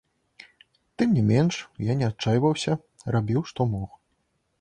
Тым не менш, я не адчайваўся, рабіў, што мог.